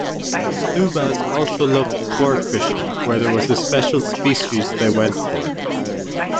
Subas also loved sport fishing where there was a special species they went for.